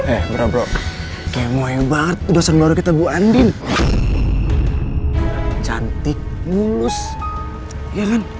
eh bro bro kemohon banget udah selalu kita bu andin cantik mulus ya kan